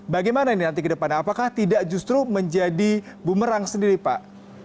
bagaimana ini nanti ke depannya apakah tidak justru menjadi bumerang sendiri pak